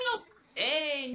せの！